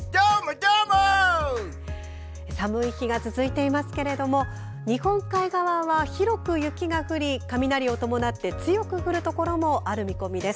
寒い日が続いていますけれど日本海側は広く雪が降り雷を伴って強く降るところもある見込みです。